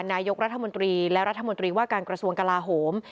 นายกรัฐมนตรีและรัฐมนตรีว่าการกระทรวงกลาโหม